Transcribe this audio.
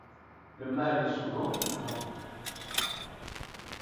Le mâle est souvent plus grand.